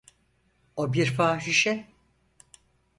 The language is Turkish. O bir fahişe.